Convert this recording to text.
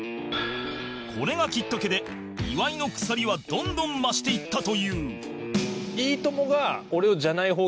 これがきっかけで岩井の腐りはどんどん増していったという